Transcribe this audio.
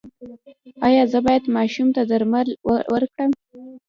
ایا زه باید ماشوم ته درمل ورکړم؟